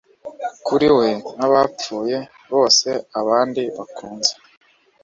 Kuri we n'abapfuye bose abandi bakunze